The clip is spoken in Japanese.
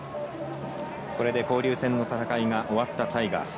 これで交流戦の戦いが終わったタイガース。